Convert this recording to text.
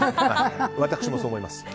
私もそう思います。